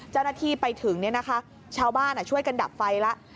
เจ้าหน้าที่ไปถึงชาวบ้านช่วยกันดับไฟแล้ว